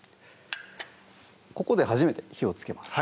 ここで初めて火をつけます